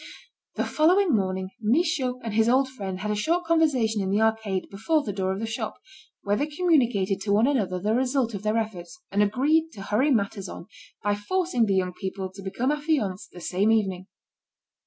The following morning, Michaud and his old friend had a short conversation in the arcade, before the door of the shop, where they communicated to one another the result of their efforts, and agreed to hurry matters on by forcing the young people to become affianced the same evening.